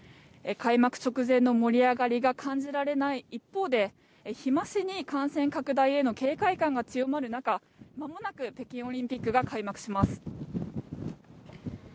開幕直前の盛り上がりが感じられない一方で日増しに感染拡大への警戒感が強まる中まもなく北京オリンピックが開幕します。